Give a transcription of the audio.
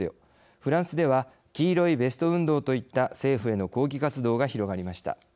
フランスでは「黄色いベスト運動」といった政府への抗議活動が広がりました。